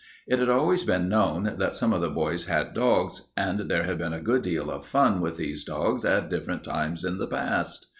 It had always been known that some of the boys had dogs, and there had been a good deal of fun with these dogs at different times in the past.